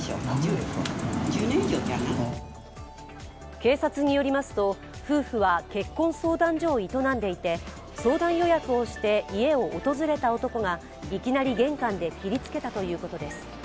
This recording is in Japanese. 警察によりますと、夫婦は結婚相談所を営んでいて相談予約をして家を訪れた男がいきなり玄関で切りつけたということです。